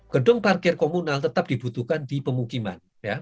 gedung parkir komunal tetap dibutuhkan di pemukiman